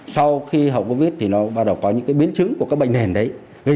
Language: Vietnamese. sau khi hậu covid thì nó bắt đầu có những biến chứng của các bệnh nền đấy